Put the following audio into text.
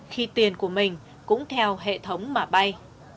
khi tiền của mình cũng theo hệ thống mà bay